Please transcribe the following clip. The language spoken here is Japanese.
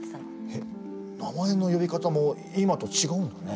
えっ名前の呼び方も今と違うんだね。